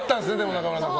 中村さん。